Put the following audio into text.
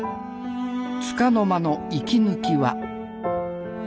つかの間の息抜きは。